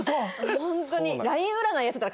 ホントに。